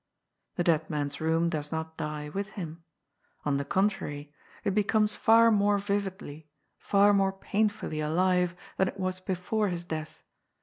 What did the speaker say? The dead man's room does not die with him. On the contrary, it becomes far more yividly, far more painfully alive than it was before his death.